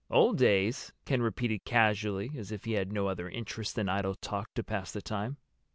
"Old days?" Ken repeated casually, as if he had no other interest than idle talk to pass the time.